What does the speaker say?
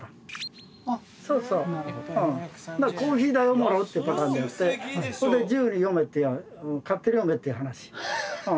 だからコーヒー代をもらうっていうパターンでやってそれで自由に読めって勝手に読めっていう話。